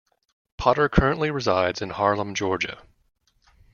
Potter currently resides in Harlem, Georgia.